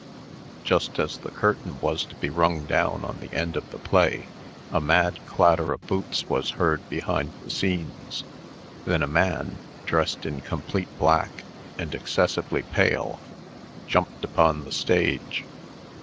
Just as the curtain was to be rung down on the end of the play, a mad clatter of boots was heard behind the scenes. Then a man, dressed in complete black, and excessively pale, jumped upon the stage.